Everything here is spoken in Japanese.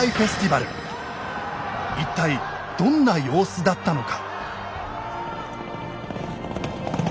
一体どんな様子だったのか。